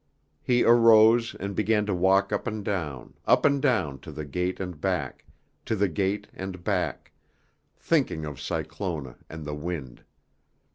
He arose and began to walk up and down, up and down to the gate and back, to the gate and back, thinking of Cyclona and the wind.